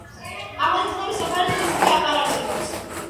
აღნიშნული სოფელი დღეს უკვე აღარ არსებობს.